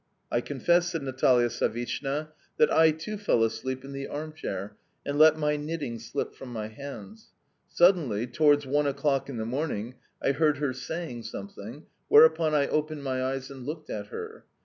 "I confess," said Natalia Savishna, "that I too fell asleep in the arm chair, and let my knitting slip from my hands. Suddenly, towards one o'clock in the morning, I heard her saying something; whereupon I opened my eyes and looked at her.